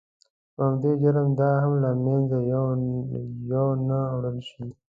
په همدې جرم دا هم له منځه یو نه وړل شي.